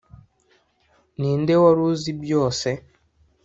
ninde wari uzi byose.